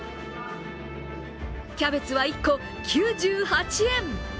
キャベツは１個９８円。